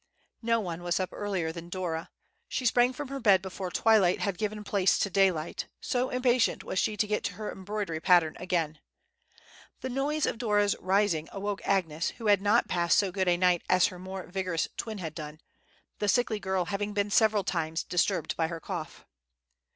No one was up earlier than Dora. She sprang from her bed before twilight had given place to day light, so impatient was she to get to her embroidery pattern again. The noise of Dora's rising awoke Agnes, who had not passed so good a night as her more vigorous twin had done, the sickly girl having been several times disturbed by her cough.